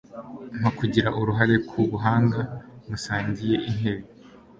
mpa kugira uruhare ku buhanga musangiye intebe